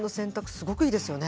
すごくいいですよね。